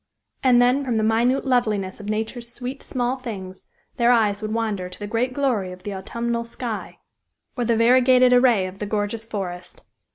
And then from the minute loveliness of nature's sweet, small things, their eyes would wander to the great glory of the autumnal sky, or the variegated array of the gorgeous forest.